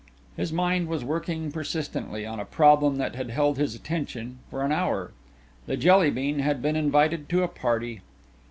His mind was working persistently on a problem that had held his attention for an hour. The Jelly bean had been invited to a party.